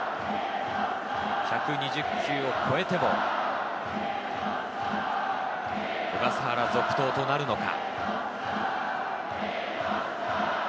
１２０球を超えても小笠原、続投となるのか？